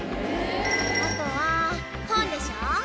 あとは本でしょ。